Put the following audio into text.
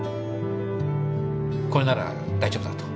これなら大丈夫だと。